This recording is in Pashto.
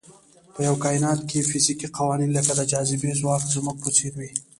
په یوه کاینات کې فزیکي قوانین لکه د جاذبې ځواک زموږ په څېر وي.